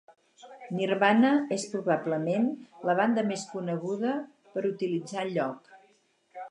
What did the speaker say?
Nirvana és probablement la banda més coneguda per utilitzar el lloc.